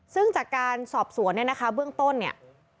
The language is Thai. ซึ่งจากการสอบสวนเนี่ยนะคะเบื้องต้นเนี่ย